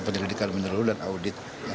penyelidikan menyerah dan audit